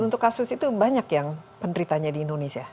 untuk kasus itu banyak yang penderitanya di indonesia